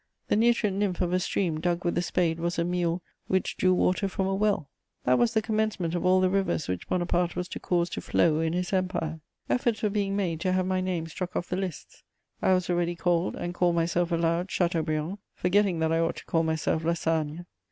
The nutrient nymph of a stream dug with the spade was a mule which drew water from a well: that was the commencement of all the rivers which Bonaparte was to cause to flow in his Empire. Efforts were being made to have my name struck off the lists; I was already called, and called myself aloud, Chateaubriand, forgetting that I ought to call myself Lassagne.